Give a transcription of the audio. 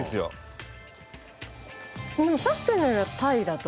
でもさっきのよりはタイだと。